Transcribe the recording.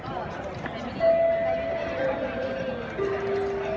มันเป็นสิ่งที่จะให้ทุกคนรู้สึกว่า